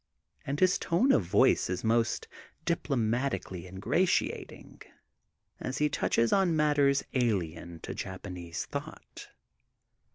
'' And his tone of voice is most diplomatically in gratiating, as he touches on matters alien to Japanese thought.